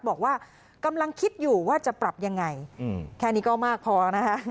บอกว่ากำลังคิดอยู่ว่าจะปรับยังไงแค่นี้ก็มากพอนะคะ